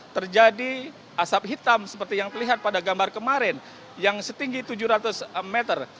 terjadi asap hitam seperti yang terlihat pada gambar kemarin yang setinggi tujuh ratus meter